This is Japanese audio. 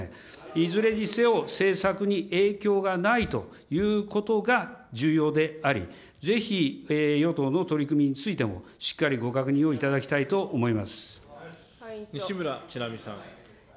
いずれにせよ、政策に影響がないということが重要であり、ぜひ与党の取り組みについても、しっかりご確認をいただきたいと西村智奈美さん。